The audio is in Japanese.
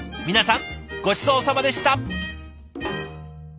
皆さんごちそうさまでした。